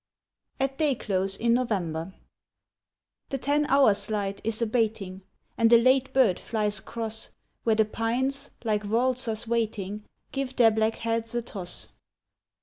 AT DAY CLOSE IN NOVEMBER THE ten hours' light is abating, And a late bird flies across, Where the pines, like waltzers waiting, Give their black heads a toss.